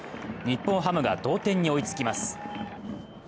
日本ハムが同点に追いつきます。